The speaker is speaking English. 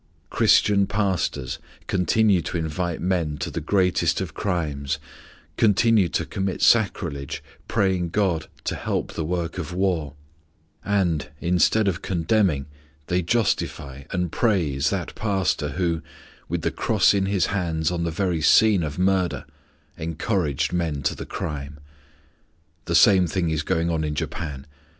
Christian pastors continue to invite men to the greatest of crimes, continue to commit sacrilege, praying God to help the work of war; and, instead of condemning, they justify and praise that pastor who, with the cross in his hands on the very scene of murder, encouraged men to the crime. The same thing is going on in Japan.